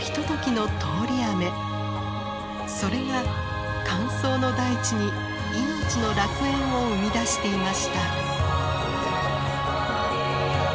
それが乾燥の大地に命の楽園を生み出していました。